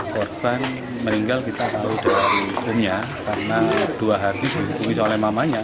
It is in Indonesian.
korban meninggal kita tahu dari rumah karena dua hari dihubungi oleh mamanya